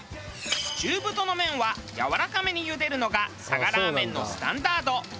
中太の麺はやわらかめにゆでるのが佐賀ラーメンのスタンダード。